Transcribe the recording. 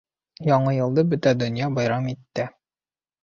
Яңы йылды бөтә донья байрам иттә